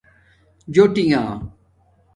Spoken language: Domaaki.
جݸٹیݣہ